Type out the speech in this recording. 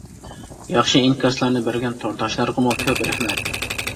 ياخشى ئىنكاسلارنى بەرگەن تورداشلارغىمۇ كۆپ رەھمەت!